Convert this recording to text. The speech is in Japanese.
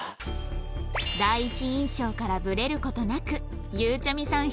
第一印象からブレる事なくゆうちゃみさん